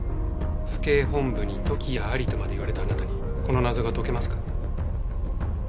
「府警本部に時矢あり」とまで言われたあなたにこの謎が解けますか？